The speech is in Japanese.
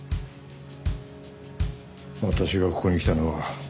私がここに来たのは。